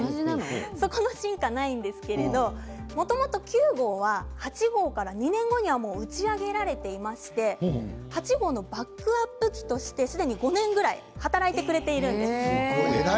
ここの進化はないんですけれどももともと９号は８号から２年後にはもう打ち上げられていまして８号のバックアップ機としてすでに５年ぐらい働いてくれているんです。